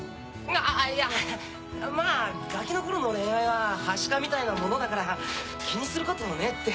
あいやまぁガキの頃の恋愛はハシカみたいなものだから気にすることねえって。